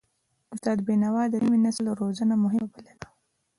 استاد بینوا د نوي نسل روزنه مهمه بلله.